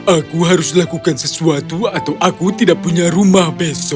aku harus lakukan sesuatu atau aku tidak punya rumah besok